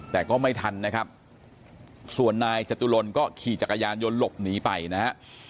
แต่ก็ไม่ทันนะครับส่วนนายจตุรนก็ขี่จักรยานยนต์หลบหนีไปนะฮะ